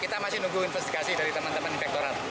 kita masih nunggu investigasi dari teman teman inspektorat